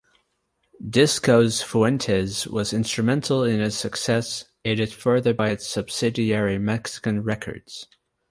Discos Fuentes was instrumental in his success aided further by its subsidiary Mexican Records.